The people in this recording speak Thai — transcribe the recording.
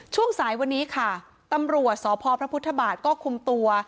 ช่วงสายวันนี้ค่ะตำรวจสพพระพุทธบาทก็คุมตัว